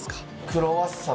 クロワッサン